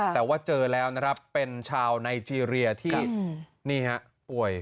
แต่ว่าเจอแล้วนะครับเป็นชาวไนเจรียที่นี่ฮะป่วย